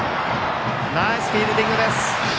ナイスフィールディングです。